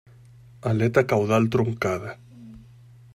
Aleta caudal truncada.